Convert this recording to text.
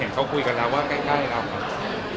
มีที่สิทธิ์น้ำมันกับผลิตเยอะไหมคะ